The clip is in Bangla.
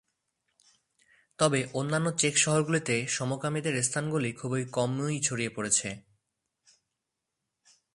তবে অন্যান্য চেক শহরগুলিতে সমকামীদের স্থানগুলি খুব কমই ছড়িয়ে পড়ে।